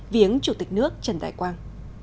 viếng chủ tịch nước trần đại quang